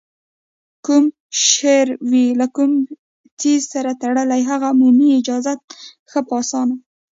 کوم شر وي له کوم څیز سره تړلی، هغه مومي اجازت ښه په اسانه